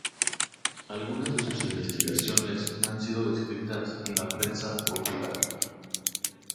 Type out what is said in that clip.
Algunas de sus investigaciones han sido descritas en la prensa popular.